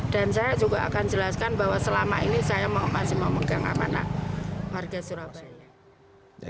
dan saya juga akan jelaskan bahwa selama ini saya masih mau menganggap warga surabaya